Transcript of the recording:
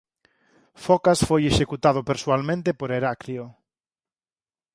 Focas foi executado persoalmente por Heraclio.